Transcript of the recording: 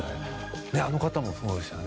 ねっあの方もそうでしたよね。